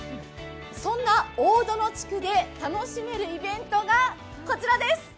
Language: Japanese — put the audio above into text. そんな大殿地区で楽しめるイベントがこちらです。